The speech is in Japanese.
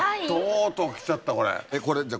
とうとうきちゃったこれ。